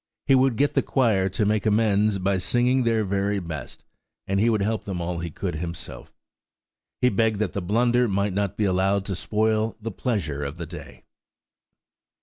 He would get the choir to make amends by singing their very best, and he would help them all he could himself. He begged that the blunder might not be allowed to spoil the pleasure of the day.